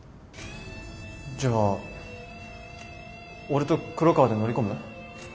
じゃあ俺と黒川で乗り込む？